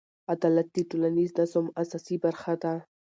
عدالت د ټولنیز نظم اساسي برخه ده.